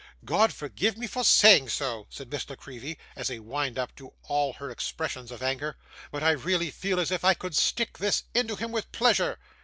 'God forgive me for saying so,' said Miss La Creevy, as a wind up to all her expressions of anger, 'but I really feel as if I could stick this into him with pleasure.